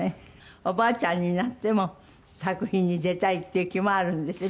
おばあちゃんになっても作品に出たいっていう気もあるんですね